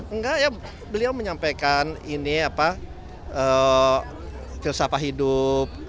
enggak ya beliau menyampaikan ini apa filsafah hidup